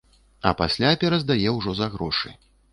А пасля пераздае ўжо за грошы.